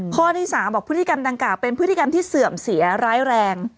ข้อที่๓บอกพฤติกรรมดังกล่าวเป็นพฤติกรรมที่เสื่อมเสียร้ายแรง